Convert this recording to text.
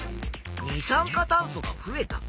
「二酸化炭素が増えた」。